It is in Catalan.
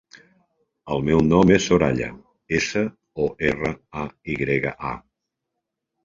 El meu nom és Soraya: essa, o, erra, a, i grega, a.